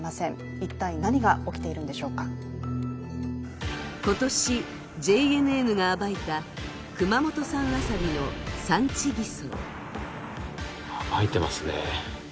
一体、何が起きているのでしょうか今年、ＪＮＮが暴いた熊本産アサリの産地偽装。